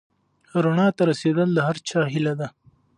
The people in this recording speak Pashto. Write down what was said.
رڼا ته رسېدل د هر چا هیله ده.